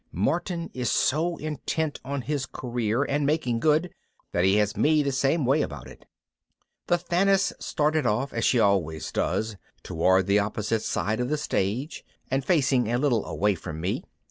Martin is so intent on his career and making good that he has me the same way about it. The Thaness started off, as she always does, toward the opposite side of the stage and facing a little away from me.